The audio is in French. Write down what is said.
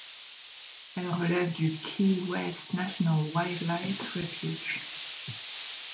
Elle relève du Key West National Wildlife Refuge.